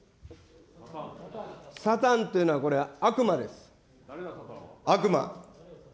サタンというのはこれ、悪魔です、悪魔。